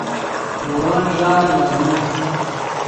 نے ون ݱا لیغنے